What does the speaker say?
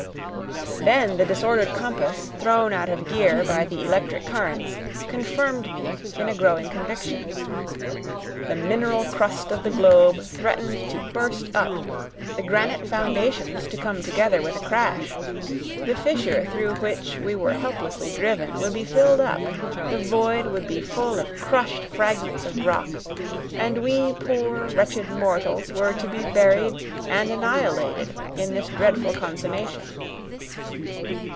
Then the disordered compass, thrown out of gear by the electric currents, confirmed me in a growing conviction. The mineral crust of the globe threatened to burst up, the granite foundations to come together with a crash, the fissure through which we were helplessly driven would be filled up, the void would be full of crushed fragments of rock, and we poor wretched mortals were to be buried and annihilated in this dreadful consummation.